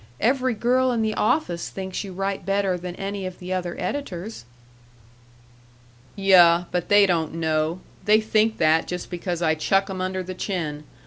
Every girl in the office thinks you write better than any of the other editors." "Yuh but they don't know. They think that just because I chuck 'em under the chin.